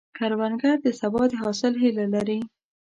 کروندګر د سبا د حاصل هیله لري